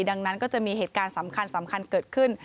ดังนั้นก็จะมีเหตุการณ์สำคัญเกิดขึ้น